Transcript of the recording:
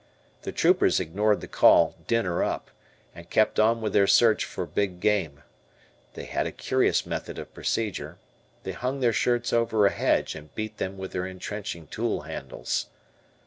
The troopers ignored the call "Dinner up," and kept on with their search for big game. They had a curious method of procedure. They hung their shirts over a hedge and beat them with their entrenching tool handles.